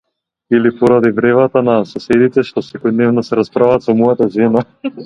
Или поради вревата на соседите што секојдневно се расправаат со мојата жена?